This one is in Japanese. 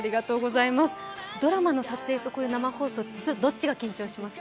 ドラマの撮影とこういう生放送、どっちが緊張しますか？